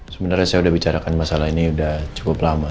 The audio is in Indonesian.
sebenarnya saya udah bicarakan masalah ini udah cukup lama